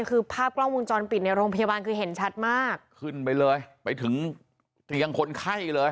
คือภาพกล้องวงจรปิดในโรงพยาบาลคือเห็นชัดมากขึ้นไปเลยไปถึงเตียงคนไข้เลย